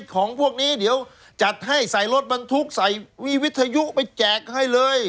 ของพวกนี้เดี๋ยวจัดให้ใส่รถบรรทุกใส่มีวิทยุไปแจกให้เลย